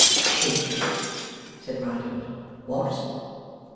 'Cheek,' said Riderhood. 'What?